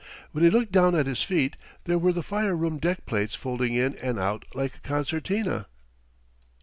When he looked down at his feet, there were the fire room deck plates folding in and out like a concertina.